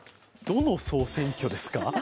この総選挙です。